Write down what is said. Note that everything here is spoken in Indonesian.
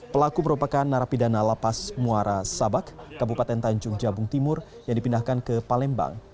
pelaku merupakan narapidana lapas muara sabak kabupaten tanjung jabung timur yang dipindahkan ke palembang